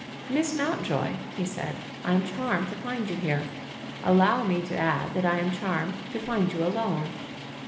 "Miss Mountjoy," he said, "I am charmed to find you here. Allow me to add that I am charmed to find you alone."